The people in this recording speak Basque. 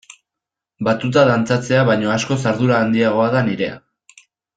Batuta dantzatzea baino askoz ardura handiagoa da nirea.